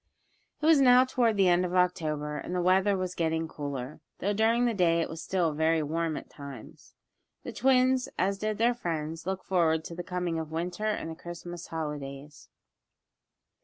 It was now toward the end of October, and the weather was getting cooler, though during the day it was still very warm at times. The twins, as did their friends, looked forward to the coming of Winter and the Christmas holidays.